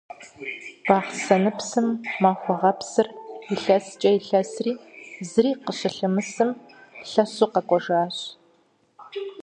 Бахъсэныпсым Махуэгъэпсыр илъэскӏэ илъэсри, зыри къыщылъымысым, лъэсу къэкӏуэжащ.